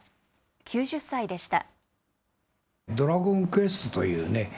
９０歳でした。